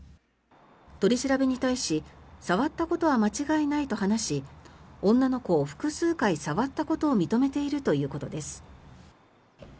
取り調べに対し触ったことは間違いないと話し女の子を複数回触ったことを認めているということです。